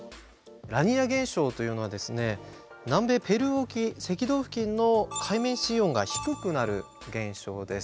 ラニーニャ現象というのはですね南米ペルー沖赤道付近の海面水温が低くなる現象です。